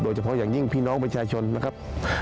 เฉพาะอย่างยิ่งพี่น้องประชาชนนะครับ